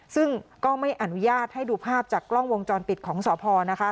ซึ่งก็ไม่อนุญาตให้ดูภาพจากกล้องวงจรปิดของสพนะคะ